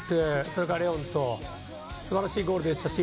それからレオンと素晴らしいゴールでしたし